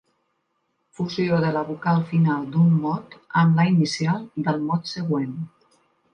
Fusió de la vocal final d'un mot amb la inicial del mot següent.